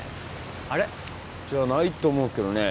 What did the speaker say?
あれ？じゃないと思うんですけどね。